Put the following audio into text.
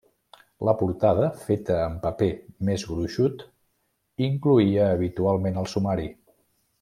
La portada, feta en paper més gruixut, incloïa habitualment el sumari.